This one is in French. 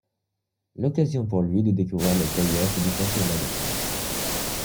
L’occasion pour lui de découvrir les play-offs du championnat de France.